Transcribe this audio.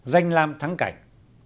danh làm thắng cảnh